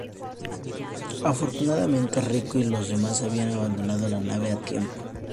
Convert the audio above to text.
Afortunadamente, Rico y los demás habían abandonado la nave a tiempo.